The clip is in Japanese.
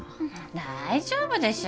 大丈夫でしょ。